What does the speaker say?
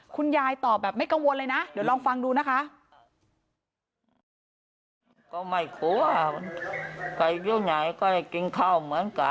คุณยายตอบแบบไม่กังวลเลยนะเดี๋ยวลองฟังดูนะคะ